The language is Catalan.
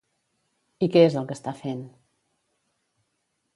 I què és el que està fent?